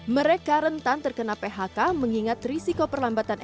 mereka rentan terkena phk mengingat risiko perlambatan ekonomi